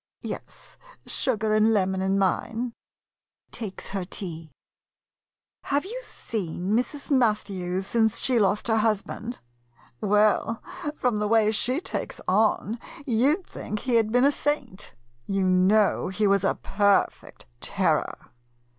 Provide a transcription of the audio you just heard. Yes, sugar and lemon in mine. [Takes her tea."] Have you seen Mrs. Mathews since she lost her husband? Well, from the way she takes on, you 'd think he had been a saint. You know he was a perfect terror.